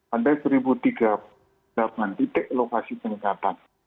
ada satu tiga ratus titik lokasi penyekatan